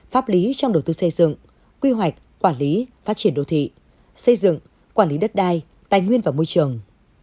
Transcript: pháp lý trong đầu tư xây dựng quy hoạch quản lý phát triển đô thị xây dựng quản lý đất đai tài nguyên và môi trường